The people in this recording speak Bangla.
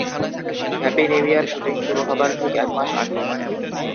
হ্যাপি নিউ ইয়ার শ্যুটিং শুরু হবার ঠিক এক মাস আগে!